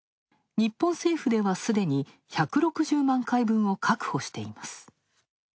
日本政府では、すでに１６０万回分を確保しています。